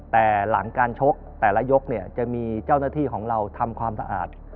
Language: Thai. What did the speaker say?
แต่หลังการชกแต่ละยกเนี่ยจะมีเจ้าหน้าที่ของเราทำความสะอาด